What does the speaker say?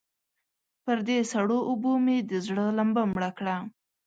پر دې سړو اوبو مې د زړه لمبه مړه کړه.